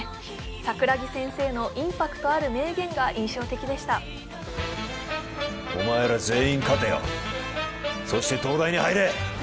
桜木先生のインパクトある名言が印象的でしたお前ら全員勝てよそして東大に入れ！